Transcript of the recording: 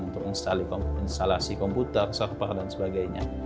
untuk instalasi komputer server dan sebagainya